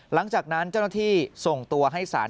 หลังจากนั้นเจ้าหน้าที่ส่งตัวให้ศาล